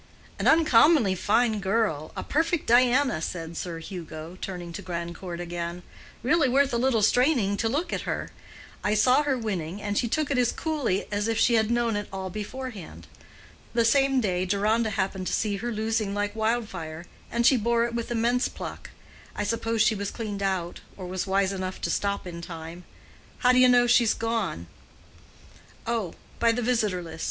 "An uncommonly fine girl, a perfect Diana," said Sir Hugo, turning to Grandcourt again. "Really worth a little straining to look at her. I saw her winning, and she took it as coolly as if she had known it all beforehand. The same day Deronda happened to see her losing like wildfire, and she bore it with immense pluck. I suppose she was cleaned out, or was wise enough to stop in time. How do you know she's gone?" "Oh, by the Visitor list, ..."